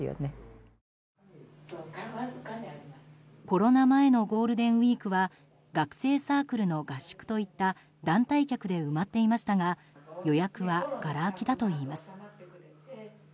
コロナ前のゴールデンウィークは学生サークルの合宿といった団体客で埋まっていましたが予約は、がら空きだといいます。